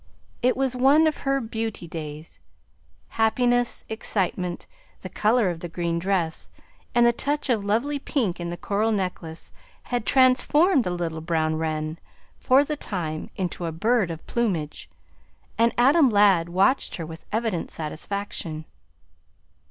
It was one of her "beauty days." Happiness, excitement, the color of the green dress, and the touch of lovely pink in the coral necklace had transformed the little brown wren for the time into a bird of plumage, and Adam Ladd watched her with evident satisfaction.